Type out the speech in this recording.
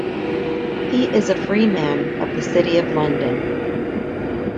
He is a Freeman of the City of London.